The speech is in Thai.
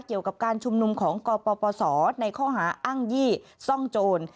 เกี่ยวกับการชุมนุมของกปศในข้อหาอ้างยี่ซ่องโจร